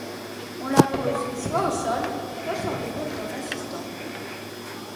On la pose soit au sol soit sur l'épaule d'un assistant.